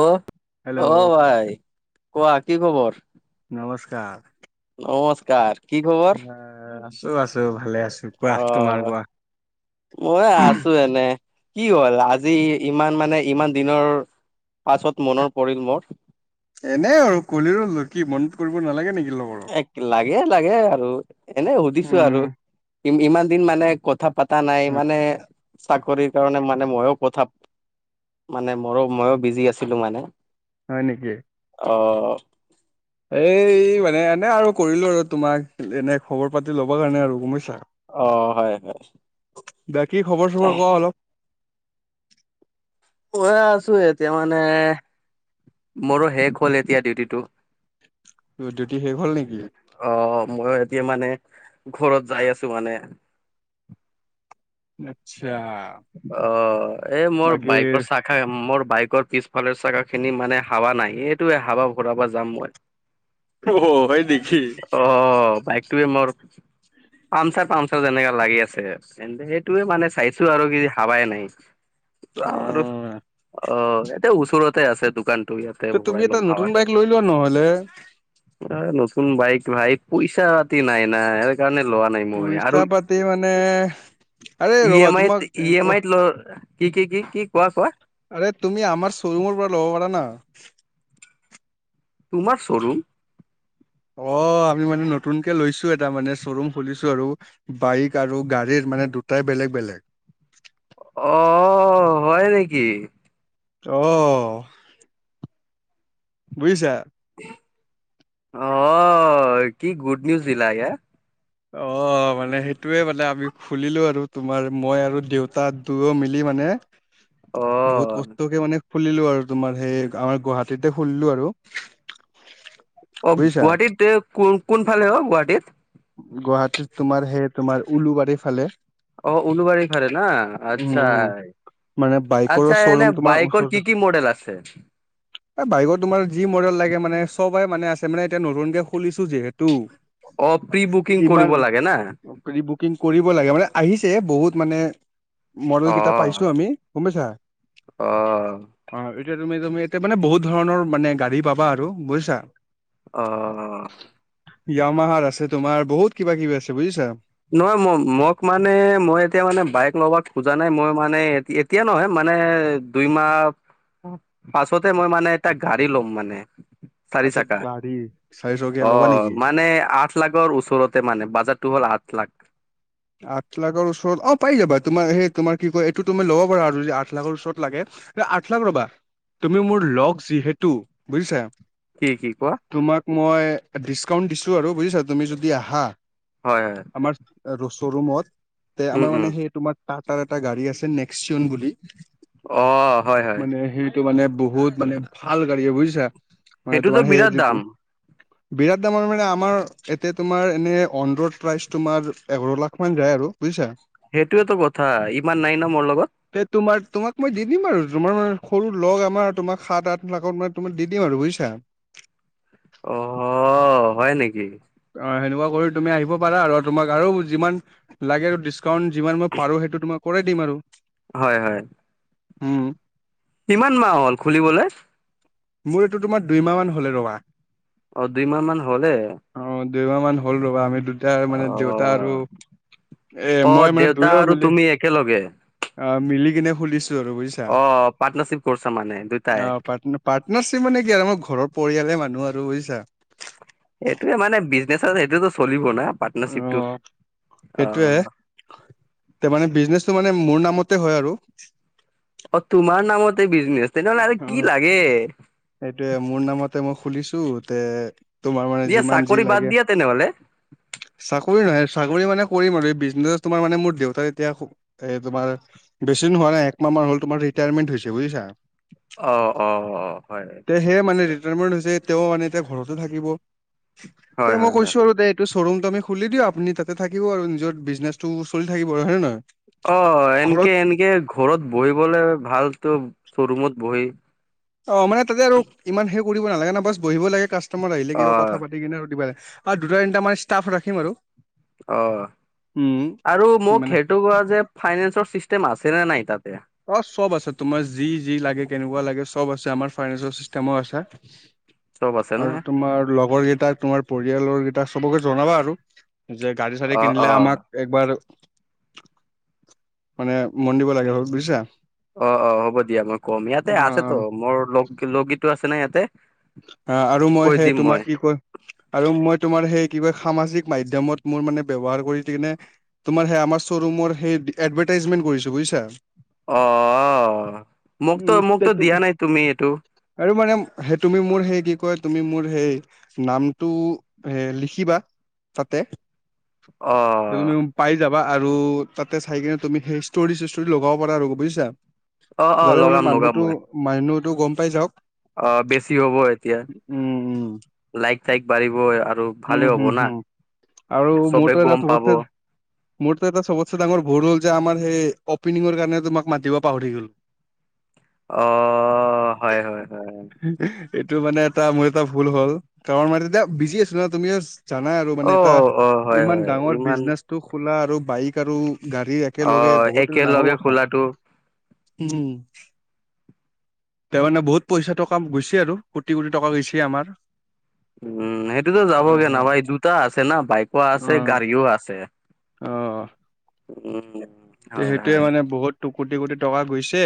অ, hello অ‌ ভাই, কোৱা কি খবৰ? নমস্কাৰ নমস্কাৰ। কি খবৰ অ, আছো আছো ভালে আছো। কোৱা অ, তোমাৰ কোৱা। মই আছো এনে। কি হ'ল? আজি ইমান মানে ইমান দিনৰ পাছত মনত পৰিল মোৰ। এনেই আৰু কৰি ললো কি মনত কৰিব নালাগে নেকি লগৰৰ। এক লাগে লাগে আৰু এনে সুধিছো উম আৰু ই ইমান দিন মানে কথা পাতা নাই মানে চাকৰিৰ কাৰণে মানে মইও কথা পাতা মানে মৰো মইও বিজি আছিলো মানে। হয় নেকি? অ' এই মানে এনেই আৰু কৰিলো আৰু তোমাক এনেই খবৰ পাতি ল'বৰ কাৰণে আৰু গম পাইছা অ' হয় হয়। বাকী খবৰ চবৰ কোৱা অলপ কৈয়ে আছো এতিয়া মানে মোৰো শেষ হ'ল এতিয়া, ডিউটিটো। তোৰ ডিউটি শেষ হ'ল নেকি? অ' মই এতিয়া মানে ঘৰত যাই আছো মানে। আচ্ছা অ' এই মোৰ বাকী বাইকৰ চা খা মোৰ বাইকৰ পিছফালে চাকা খিনি মানে হাৱা নাই। এইটোৱে হাৱা ভৰাব যাম মই। অ' হ' হয় নেকি? অঁ, বাইকটোৱে মোৰ পামচাৰ পামচাৰ যেনেকা লাগি আছে, চেন টোয়ে মানে চাইছো আৰু কি হাৱাই নাই ত' অ আমাৰো অ' তে ওচৰতে আছে দোকান। ত' তুমি এটা নতুন বাইক লৈ লোৱা নহ'লে। আ নতুন বাইক ভাই পইচা পাতি নাই না ওক সেইকাৰণে লোৱা নাই। মই আৰু পইচা পাতি মানে। আৰে ই ৰ'বা এম আইত তোমাক ই এম আইত ল' কি কি কি কি কোৱা কোৱা। আৰে তুমি আমাৰ শ্ব'ৰুমৰ পৰা ল'ব পাৰা না তোমাৰ শ্বৰুম? অ' আমি মানে নতুনকে লৈছো এটা মানে শ্বৰুম খুলিছো আৰু। বাইক আৰু গাড়ীৰ মানে দুটাই বেলেগ বেলেগ। অ' হয় নেকি? অ' বুজিছা? অ' কি গুড নিউজ দিলা এয়া। অ' মানে সেইটোয়ে মানে আমি খুলিলো আৰু তোমাৰ মই আৰু দেউতা দুয়ো মিলি মানে বহুত অ', কষ্টকে মানে, খোলিলো আৰু তোমাৰ সেই আমাৰ গুৱাহাটীতে খোলিলো আৰু অ' বুজিছা গুৱাহাটীত এ কোন কোন ফালে অ' গুৱাহাটীত? গুৱাহাটীত তোমাৰ সেই তোমাৰ উলুবাৰীৰ ফালে। অ' উলুবাৰী ফালে না উম উম আচ্ছাই। মানে বাইকৰো আচ্ছা, শ্ব'ৰুম এনে তোমাৰ বাইকৰ ওচৰতে কি কি মডেল আছে? এ বাইকৰ তোমাৰ যি মডেল লাগে মানে চবাই মানে আছে মানে এতিয়া নতুনকে খুলিছো যিহেতু অ' প্ৰি বুকিং ইমান কৰিব লাগে না? প্ৰি বুকিং কৰিব লাগে। মানে আহিছে বহুত মানে মডেল কিটা অ', পাইছো আমি। গ'ম পইচা? অ', অঁ ইত এতিয়া তুমি তুমি এতিয়া মানে বহুত ধৰণৰ মানে গাড়ী পাবা আৰু বুজছা। অ' য়ামাহাৰ আছে তোমাৰ, বহুত কিবা কিবি আছে বুজিছা। নহয় ম মোক মানে মই এতিয়া মানে বাইক লবা খোজা নাই মই মানে এতি এতি তেতিয়া নহয় মানে দুই মাহ [inaudible] পাছতে মই মানে এটা গাড়ী ল'ম মানে। চাৰি আচ্ছা চাকা, গাড়ী চাৰিচকীয়া অ ল'বা নেকি মানে আঠ লাখৰ ওচৰতে মানে বাজেটো হ'ল আঠ লাখ। আঠ লাখৰ ওচৰত অ পাই যাবা। তোমাৰ সেই তোমাৰ কি কয় এইটো তুমি ল'ব পাৰা আৰু যদি আঠ লাখৰ ওচৰত লাগে আঠ লাখ ৰবা, তুমি মোৰ লগ যিহেতু, বুজিছা? কি কি কোৱা? তোমাক মই ডিছকাউণ্ট দিছো আৰু, বুজিছা? তুমি যদি আহা। হয়। আমাৰ ৰ শ্ব'ৰুমত তে উম আমাৰ উম মানে সেই তোমাৰ টাটাৰ এটা গাড়ী আছে নেক্সচিউন বুলি, অ হয় হয় মানে সেই টো মানে বহুত মানে ভাল গাড়ী বুজিছা? মানে সেইটোতো তোমাৰ বিৰাট সেই দাম বিৰাট দামৰ মানে আমাৰ এতে তোমাৰ এনে অন ৰোড প্ৰাইচ তোমাৰ এঘৰ লাখ মান যায় আৰু বুইছা? সেইটোয়েটো কথা, ইমান নাই ন মোৰ লগত। তে তোমাৰ তোমাক মই দি দিম আৰু তোমাৰ মানে সৰু লগ আমাৰ তোমাক সাত-আঠ লাখত মই তোমাক দি দিম আৰু বুজিছা? অহ, হয় নেকি? অ সেনেকুৱা কৰি তুমি আহিব পাৰা আৰু। তোমাক আৰু যিমান লাগে ডিছ কাউন্ট যিমান মই পাৰো সেইটো তোমাক কৰাই দিম আৰু। হয় হয়। উম। কিমান মাহ হল, খুলিবলে? মোৰ এইটো তোমাৰ দুইমাহ মান হ'লে ৰবা। অ, দুই মাহ মান হলে। অ, দুইমাহ মান হ'ল ৰ'বা আমি দু টাৰ অ মানে দেউতা আৰু এ অ মই মানে দেউতা দুয়ও আৰু মিলি তুমি একেলগে অ, মিলি কিনে খুলিছ অ, পাৰ্টনাৰশ্বিপ কৰ্ছ মানে অ দুটাই? পাৰ্ট পাৰ্টনাৰশ্বিপ মানে কি আৰু মই ঘৰৰ পৰিয়ালে মানুহ আৰু, বুইছা? সেইটোৱে মানে বিজনেচত সেইটোতো চলিব না অ পাৰ্টনাৰশ্বিপটো, অ সেইটোয়ে তে মানে বিজনেচটো মানে মোৰ নামতে হয় আৰু। অ, তোমাৰ নামতে বিজনেচ তেনেহলে আৰু কি লাগে! সেইটোৱে মোৰ নামতে মই খুলিছো তে তোমাৰ মানে দিয়া যিমান যি চাকৰি বাদ লাগে দিয়া তেনেহ'লে চাকৰি নহয় চাকৰি মানে কৰিম আৰু বিজনেছ তোমাৰ মানে মোৰ দেউতাৰ এতিয়া এ তোমাৰ বেছি দিন হোৱা নাই একমাহ মান হল তোমাৰ ৰিটায়াৰমেণ্ট হৈছে, বুজিছা? অ, অ, অ। তে সেয়ে মানে ৰিটায়াৰমেন্ট হৈছে, তেওঁ মানে এতিয়া ঘৰতে থাকিব। হয় তে মই হয় হয় কৈছো আৰু তে টো শ্বৰৰুমটো আমি খুলি দিওঁ আপুনি তাতে থাকিব আৰু নিজৰ বিজনেছটোও চলি থাকিব আৰু, হয় নে নহয়? অ, এনকে ঘৰত এনেকে ঘৰত বহিবলে ভালতো শ্ব'ৰুমত বহি। অ, মানে তাতে আৰু ইমান সেই কৰিব নালাগে না বছ বহিব লাগে কাষ্টমাৰ আহিলে কিবা অ' কথা পা তি কিনে আৰু দিবা আৰু দুটা-তিনটা মানে ষ্টাফ ৰাখিম আৰু। অ, উম আৰু মোক মানে সেইটো কোৱা যে ফাইনেন্সৰ চিষ্টেম আছেনে নাই তাতে? অ, চব আছে তোমাৰ যি যি লাগে, কেনেকুৱা লাগে চব আছে আমাৰ ফাইনেন্সৰ চিষ্টেম' আছে। চব আছে নে আৰু তোমাৰ লগৰ কেইটাক, তোমাৰ পৰিয়ালৰ কেইটাক চবকে জনাবা আৰু। যে গাড়ী চাড়ি অ' কিনিলে অ' আমাক- একবাৰ মানে মন দিব লাগে হ'ল বুজিছা। অঁ, অঁ, হ'ব দিয়া মই কম, ইয়াতে অ আছেতো মোৰ লগ লগী আছে নাই ইয়াতে। অঁ, আৰু মই কৈ সেই দিম তোমাৰ কি কয়- আৰু মই তোমাৰ সেই কিবা সামাজিক মাধ্যমত মোৰ মানে ব্যৱহাৰ কৰি কিনে- তোমাৰ সেই আমাৰ শ্বৰুমৰ সেই এডভাৰটাইজমেণ্ট কৰিছো বুজিছা। অঁ, অঁ, মোক তো উম, তে মোকতো তুম দিয়া নাই তুমি এইটো। আৰু মানে সেই- তুমি মোৰ সেই কি কয়, তুমি মোৰ সেই নামটো এ লিখিবা। তাতে। অঁ। তুমি পাই যাবা আৰু তাতে চাই কিনে তুমি সেই ষ্টৰিষ্টৰি লগাব পাৰা আৰু বুজিছা। অ' অ' যাতে মানে লগাম মানুহটো মানুহটো গম পাই যাওঁক। অঁ, বেছি হ'ব। এতিয়া উম, লাইক থাইক বাঢ়িবই আৰু উম, ভালে হ'ব হুম, না। হুম। আৰু মোৰতো চবে এটা গম পাব। চবতছে মোৰতো এটা চবতচে ডাঙৰ ভুল হ'ল যে আমাৰ সেই অপেনিঙৰ কাৰণে তোমাক মাতিব পাহৰি থাকিলোঁ। অঁ, হয়, হয়। হয়, হয়, হয়। এইটো মানে এটা মোৰ এটা ভুল হ'ল। কাৰণ মই তেতিয়া বিজি আছো ন' তুমিও- জানাই আৰু মানে এটা অ', অ', হয়, ইমান হয়, ডাঙৰ ইমান বিজনেচটো খোলা আৰু বাইক আৰু- গাড়ী একেলগে অ', বহুত এটা ডাঙৰ একেলগে কথা। খোলাটো উম, তাৰ মানে বহুত পইচাটো কাম গৈছে। আৰু কোটি কোটি টকা গৈছে আমাৰ। উম, সেইটোতো হয় যাবগে হয়। নাপাই জোতা আছে না বাইকো আছে, গাড়ীও আছে। অঁ। উম। হয়, সেইটোয়ে হয়, মানে বহুত কোটি, কোটি টকা গৈছে।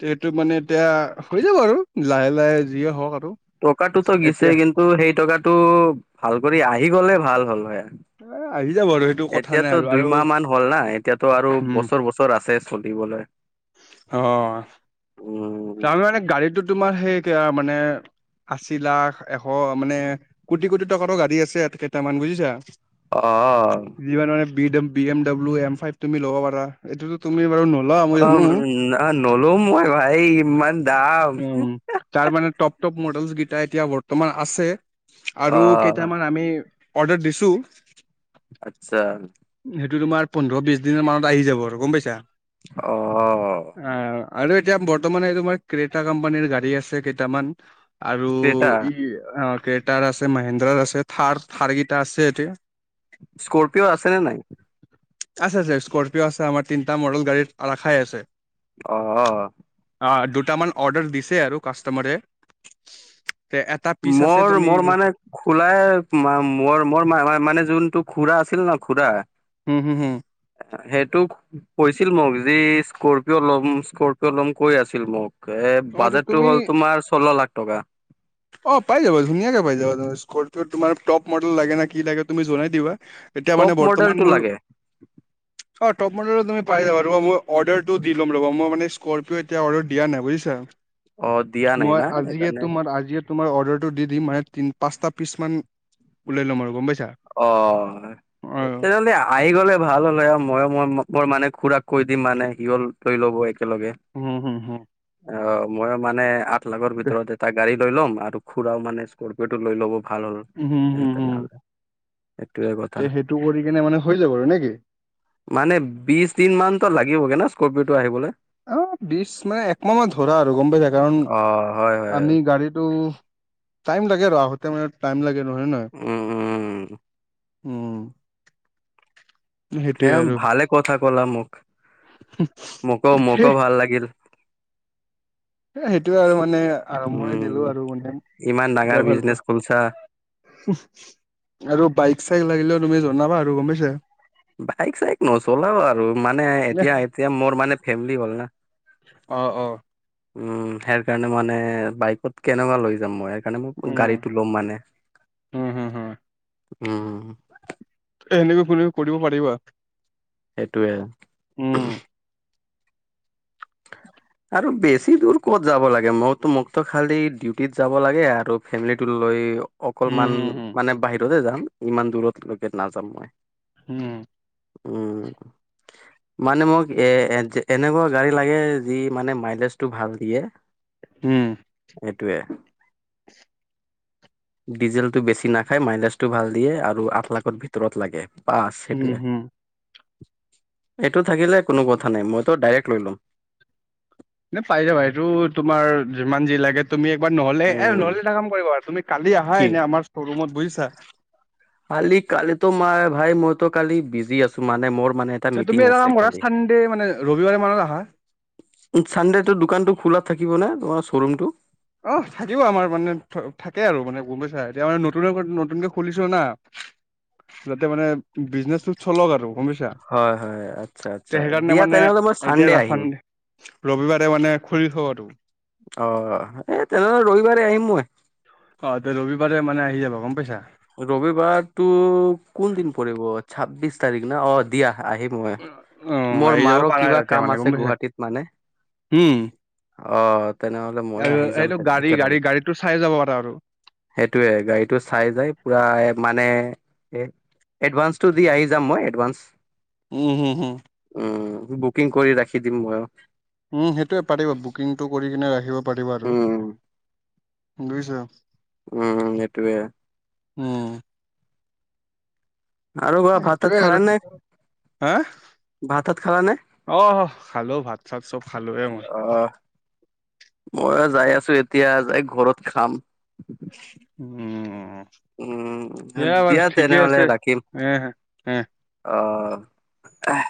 সেইটো মানে এতিয়া হৈ যাব আৰু লাহে লাহে যিয়ে হয় হওঁক আৰু। টকাটোতো এতিয়া গিছেই কিন্তু সেই টকাটো ভাল কৰি আহি গ'লে ভাল হ'ল আৰ। এ আহি যাব আৰু সেইটো কথা নাই এতিয়াতো আৰু আৰু দুইমাহ মান হ'ল না, এতিয়াতটো আৰু উম, বছৰ বছৰ আছে। ফুদিবলে। অঁ, অঁ। উম, তাৰ মানে গাড়ীতটো তোমাৰ সেই কেয়া মানে- আশী লাখ, এশ মানে কোটি কোটি টকাৰো গাড়ী আছে কেইটামান বুজিছা। অঁ। যিমানৰে B, B M W M five তুমি ল'ব পাৰা। এইটো তুমি বাৰু নলোৱা, মই জানো। আ, নলো মই ভাই ইমান দাম। উম তাৰ মানে টপ টপ মডেলচ কেইটা এতিয়া বৰ্তমান আছে আৰু অ', কেইটামান আমি- অৰ্ডাৰ দিছোঁ। আটচা। সেইটো তোমাৰ পোন্ধৰ-বিশ দিনৰ মানত আহি যাব আৰু গম পাইছা। অঁ। আ আৰু এতিয়া বৰ্তমান এই তোমাৰ ক্ৰেতা কোম্পানীৰ গাড়ী আছে কেইটামান। আৰু ক্ৰেতা ই অঁ ক্ৰেতাৰ আছে, মহেন্দ্ৰাৰ আছে, থাৰ থাৰকেইটা আছে এইটোৱে। স্কৰপিঅ আছে নে নাই? আছে, আছে। স্কৰপি'অ আছে। আমাৰ তিনিটা মডেল গাড়ীত ৰাখাই আছে। অ। অ, দুটামান অৰ্ডাৰ দিছে আৰু কাষ্টমাৰে। তে, এটা পিচ আছে মোৰ মোৰ তুমিৰ মানে খোলাই, মা মোৰ মোৰ মানে যোনটো খুৰা আছিল ন', খুৰা। হুম, হুম, হুম। সেটো কৈছিল মোক যি স্কৰপিঅ' ল'ম স্কৰপিঅ' ল'ম কৈ আছিল মোক। এ, অ ত বাজেটটো তুমি হ'ল তোমাৰ চল্ল লাখ টকা। অ, পাই যাব ধুনীয়াকে পাই যাবা তুমি। স্পিৰপিঅ' তোমাৰ টপ মডেল লাগে নে কি লাগে? তুমি জনাই দিবা। এতিয়া মানে টপ বৰ্তমান মডেলটো মোৰ লাগে অ, টপ মডেলো তুমি পাই যাবা। ৰ'বা, মই অৰ্ডাৰটো দি ল'ম ৰবা। মই মানে স্কৰপিঅ' এতিয়া অৰ্ডাৰ দিয়া নাই। বুজিছা? অ', দিয়া নাই মই না আজিয়ে সেইকাৰণে তোমাৰ আজিয়ে তোমাৰ অৰ্ডাৰটো দি দিম। মানে তিন পাঁচটা পিচ মান ওলাই ল'ম আৰু গম পাইছা? অ। অ তেনেলিয়া আহি গ'লে ভাল হ'লে। ময়ো মই মক্কৰ মানে খুৰাক কৈ দিম মানে সিহঁল লৈ ল'ব একেলগে। উম, হু। অ, মই মানে আঠ লাখৰ ভিতৰত এটা গাড়ী লৈ ল'ম। আৰু খুৰাও মানে স্কৰপিঅ' টো লৈ ল'ব ভাল হ'ল, হুম হুম হুম তেনেহ'লে। এটোৱে গ'ল। তে সেইটো কৰি কিনে, মানে হৈ যাব আৰু নে কি? মানে বিছ দিন মান টো লাগিবগে ন', স্কৰপিঅ'টো আহিবলে? অ, বিছ মানে একমাহ মা ধৰা আৰু গম পাইছা? কাৰণ অ', হয়, হয়, আমি গাড়ীটো টাইম লাগে আৰু আহোতে মানে টাইম লাগে নহয়। হয়, নহয়? উম, উম, উম। সেইটোয়ে সেয়া আৰু। ভালে কথা ক'লা মোক। মোকো, মোকো ভাল লাগিল। এ সেইটোৱে আৰু মানে আৰম্ভনি উম, দিলো আৰু মানে ইমান ডাঙৰ এতিয়া বিজনেচ ভালপোৱা খুলছা। আৰু বাইক চাইক লাগিলেও তুমি জনাবা আৰু গম পাইছা? বাইক চাইক নচলাও আৰু মানে এতিয়া এতিয়া মোৰ মানে ফেমিলি হ'ল না? অ, অ। উম। সেয়াৰকাৰণে মানে বাইকত কেনেকুৱা লৈ যাম মই? সেকাণে মোক উম, গাড়ীটো লম মানে। হম, হম, হম, উম। সেনেকৈ কৰিব, কৰিব পাৰিবা? সেটোৱে। উম, [inaudible] আৰু বেছি দূৰ ক'ত যাব লাগে? মওটো মোকতো খালি ডিউটিত যাব লাগে আৰু ফেমিলিটো লৈ হম, অকমান হম, হম, মানে বাহিৰতে যাম ইমান দূৰতলৈকে নাযাম মই। উম। উম। মানে মোক এ এনেকুৱা গাড়ীত লাগে, যি মানে মাইলেজ টো ভাল দিয়ে। উম। এটোৱে। [inaudible] ডিজেলটো বেছি নাখায়, মাইলেজটো ভাল দিয়ে আৰু আঠ লাখৰ ভিতৰত লাগে। বাছ হম, সেইটোৱে, হম। এইটো থাকিলে কোনো কথা নাই মইতো ডাইৰেক্ট লৈ লম। নাই পাই যাবা এইটো তোমাৰ যিমান যি লাগে তুমি একবাৰ নহলে এ উম নহ'লে এটা কাম কৰিবা আৰু তুমি। কালি আহা কি এনে আমাৰ শ্ব'ৰুমত বুজিছা। কালি কালিতো মই ভাই মইতো কালি বিজি আছো মানে মোৰ মানে। মিটিং তুমি এটা আছে কাম কৰা কালি চানডে মানে ৰবিবাৰে মানত আহা। ছানডেটো দোকানটো খোলা থাকিব না? তোমাৰ শ্বৰুমটো? অ থাকিব আমাৰ মানে থাকে আৰু মানে গম পাইছা এতিয়া মানে নতুন নতুনকে খুলিছো না। যাতে মানে বিজনেচটো চলক আৰু গম পাইছা। হয় হয়, আচ্ছা তে আচ্ছা, সেইকাৰণে দিয়া মানে তেনেহ'লে মই এতিয়া চানডে চান আহিম। ৰবিবাৰে মানে খোলি থৱটো। অ' এই তেনেহ'লে ৰবিবাৰে আহিম মই। অ' ৰবিবাৰে মানে আহি যাবা গম পাইছা? ৰবিবাৰটো কোন দিন পৰিব? ছাব্বিশ তাৰিখ না? অ দিয়া আহিব। হয়, অ মোৰ আহি যাব মাৰো পাৰা কিবা তেতিয়া কাম মানে গম আছে পাইছা গুৱাহাটীত মানে। উম' অ' তেনেহ'লে ময়ো আৰু আহি যাম এইটো তেনে গাড়ী গাড়ী একেলগে। গাড়ীতটো চাই যাব পাৰা আৰু। সেইটোয়ে গাড়ীতটো চাই যাই। পুৰা মানে এ এডভান্সটো দি আহি যাম মই, এডভান্স। উম' হুম হুম। উম' বুকিং কৰি ৰাখি দিম মইয়ো। উম' সেইটোৱে পাৰিব বুকিংটো কৰি কিনে ৰাখিব পাৰিবা আৰু উম বুজিছা। উম' সেইটোৱে। উম' আৰু কোৱা ভাত তাত সেইটোৱে খালা আৰু নে হা! ভাত ঠাত খালা নে? অ খালো, ভাত চাত চব খালোয়ে মই। মই যাই আছো এতিয়া যাই ঘৰত খাম। উম' উম' বাৰু দিয়া ঠিকে তেনেহলে আছে ৰাখিম। এ, এ অ' এহ।